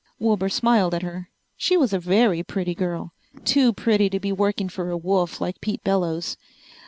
Wilbur smiled at her. She was a very pretty girl. Too pretty to be working for a wolf like Pete Bellows.